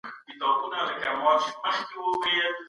که موږ دا وخت په زده کړه تېر کړو.